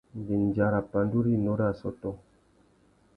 Ndéndja râ pandú rinú râ assôtô.